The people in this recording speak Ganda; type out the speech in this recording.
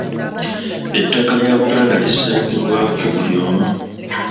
Ettaka lya Buganda lisengebwako buli omu.